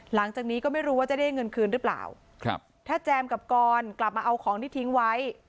หลังจากนี้ก็ไม่รู้ว่าจะได้เงินคืนหรือเปล่าครับถ้าแจมกับกรกลับมาเอาของที่ทิ้งไว้